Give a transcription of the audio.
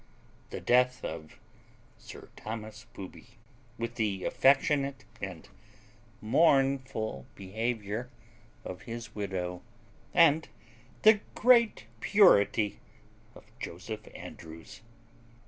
_The death of Sir Thomas Booby, with the affectionate and mournful behaviour of his widow, and the great purity of Joseph Andrews.